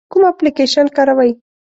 کوم اپلیکیشن کاروئ؟